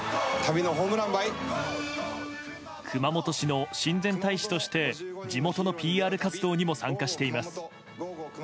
熊本市の親善大使として地元のＰＲ活動にも参加しています。